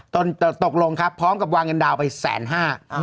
ตนตกลงครับพร้อมกับวางเงินดาวไป๑๕๐๐๐๐บาท